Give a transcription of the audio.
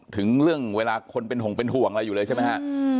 ถึงเรื่องเวลาคนเป็นห่วงเป็นห่วงอะไรอยู่เลยใช่ไหมฮะ